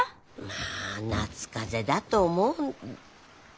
まあ夏風邪だと思う。